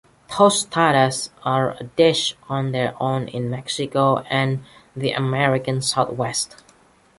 Tostadas are a dish on their own in Mexico and the American Southwest.